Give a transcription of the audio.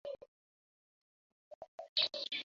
আর মনে হয় যেনো ঠিক আমার দিকেই তাকিয়ে আছে।